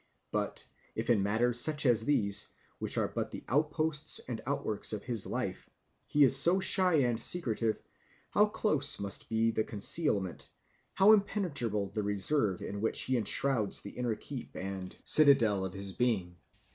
But if in matters such as these, which are but the outposts and outworks of his life, he is so shy and secretive, how close must be the concealment, how impenetrable the reserve in which he enshrouds the inner keep and citadel of his being!